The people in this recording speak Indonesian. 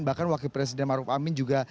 bahkan wakil presiden maruf amin juga